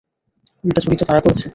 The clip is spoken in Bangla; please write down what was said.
উল্টা চুরি তো তারা করছে।